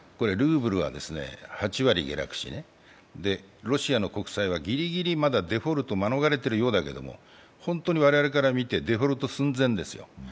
ルーブルは８割下落し、ロシアの国債はギリギリまだデフォルトを免れているようだけれども本当に我々から見て、デフォルト寸前ですよ。